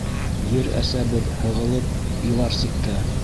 Ер-Әсәбеҙ һығылып илар сиктә.